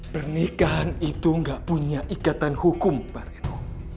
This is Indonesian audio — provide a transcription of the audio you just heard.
pernikahan itu gak punya ikatan hukum pak reno